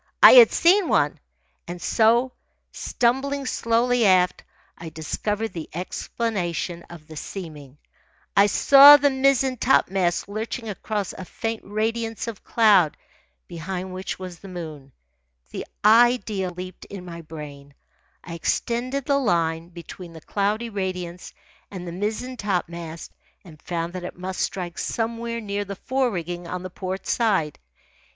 I had seen one. And so, stumbling slowly aft, I discovered the explanation of the seeming. I saw the mizzen topmast lurching across a faint radiance of cloud behind which was the moon. The idea leaped in my brain. I extended the line between the cloudy radiance and the mizzen topmast and found that it must strike somewhere near the fore rigging on the port side.